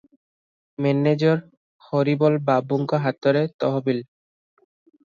Manager Haribol ବାବୁଙ୍କ ହାତରେ ତହବିଲ ।